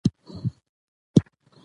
ځمکه په دې وريځو اباده ده